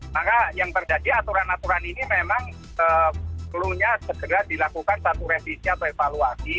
maka yang terjadi aturan aturan ini memang perlunya segera dilakukan satu revisi atau evaluasi